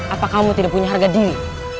apa kamu tidak punya harga diri